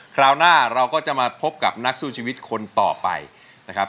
คราวหน้าเราก็จะมาพบกับนักสู้ชีวิตคนต่อไปนะครับ